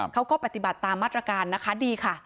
เขาก็ปฏิบัติตามมาตรการนะคะดีค่ะ